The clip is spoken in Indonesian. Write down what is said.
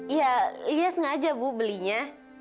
ya elia sengaja bu belinya